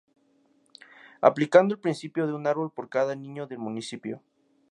Aplicando el principio de un árbol por cada niño del municipio.